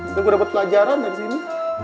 itu gua dapet pelajaran dari sini